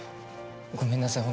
ごめんなさい。